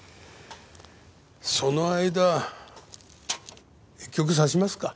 その間一局指しますか。